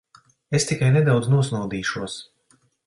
Es tikai nedaudz nosnaudīšos.